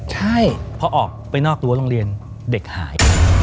ใช่พอออกไปนอกรั้วโรงเรียนเด็กหาย